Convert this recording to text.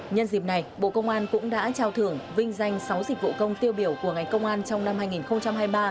nhân dịp này bộ công an cũng đã trao thưởng vinh danh sáu dịch vụ công tiêu biểu của ngành công an trong năm hai nghìn hai mươi ba